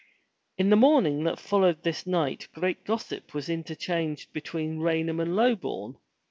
In the morning that followed this night great gossip was interchanged between Raynham and Loboume.